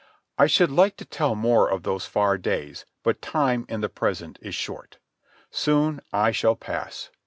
I should like to tell more of those far days, but time in the present is short. Soon I shall pass.